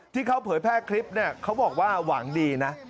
ที่เขาเผยแพร่คลิปเนี่ยเขาบอกว่าหวังดีนะ